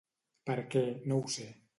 Per què, no ho sé.